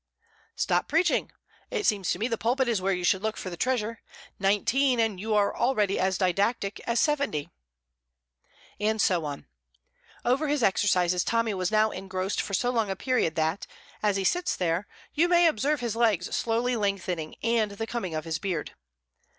"Stop preaching. It seems to me the pulpit is where you should look for the treasure. Nineteen, and you are already as didactic as seventy." And so on. Over his exercises Tommy was now engrossed for so long a period that, as he sits there, you may observe his legs slowly lengthening and the coming of his beard.